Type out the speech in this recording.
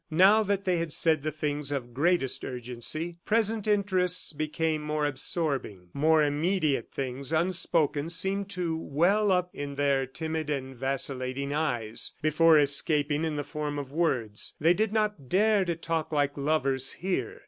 Now that they had said the things of greatest urgency, present interests became more absorbing. More immediate things, unspoken, seemed to well up in their timid and vacillating eyes, before escaping in the form of words. They did not dare to talk like lovers here.